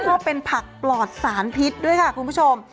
ก็เป็นผักปลอดสารพิษด้วยค่ะคุณผู้ชม